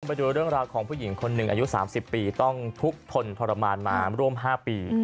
ไปดูเรื่องราวของผู้หญิงคนหนึ่งอายุ๓๐ปีต้องทุกข์ทนทรมานมาร่วม๕ปี